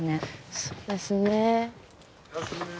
そうですね。